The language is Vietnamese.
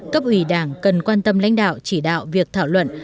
cấp ủy đảng cần quan tâm lãnh đạo chỉ đạo việc thảo luận